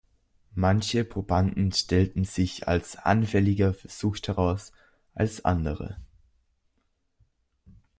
Manche Probanden stellten sich als anfälliger für Sucht heraus als andere.